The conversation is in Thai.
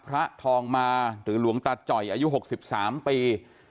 พระทองมาหรือหลวงตาจ่อยอายุ๖๓ปี